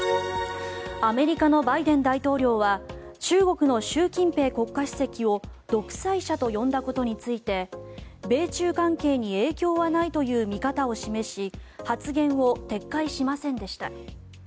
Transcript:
アメリカのバイデン大統領は中国の習近平国家主席を独裁者と呼んだことについて米中関係に影響はないという見方を示し発言を撤回しませんでした。